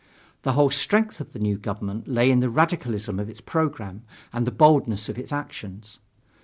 The whole strength of the new government lay in the radicalism of its program and the boldness of its actions.